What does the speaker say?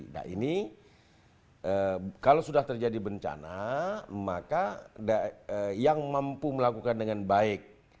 nah ini kalau sudah terjadi bencana maka yang mampu melakukan dengan baik